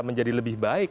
menjadi lebih baik